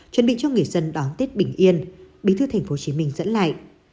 chuẩn bị cho người dân đón tết bình yên bí thư tp hcm dẫn lại